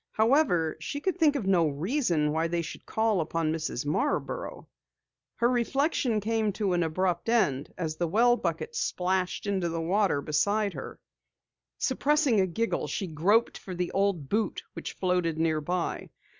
However, she could think of no reason why they should call upon Mrs. Marborough. Her reflection came to an abrupt end, as the well bucket splashed into the water beside her. Suppressing a giggle, she groped for the old boot which floated nearby.